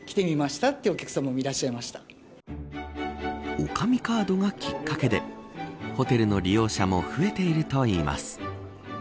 女将カードがきっかけでホテルの利用者も増えているといいます。